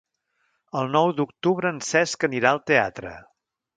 El nou d'octubre en Cesc anirà al teatre.